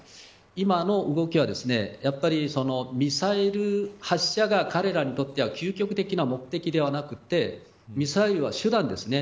今の動きはミサイル発射が彼らにとっては究極的な目的ではなくてミサイルは手段ですね。